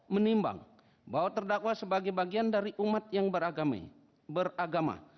menimbang bahwa terdakwa sebagai bagian dari umat yang beragama